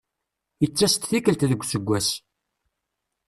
Ittas-d tikkelt deg useggas.